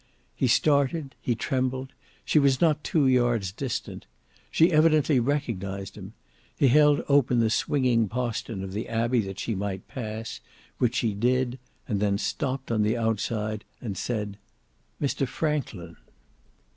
He started, he trembled; she was not two yards distant, she evidently recognised him; he held open the swinging postern of the Abbey that she might pass, which she did and then stopped on the outside, and said "Mr Franklin!"